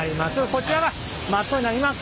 こちらがマットになります。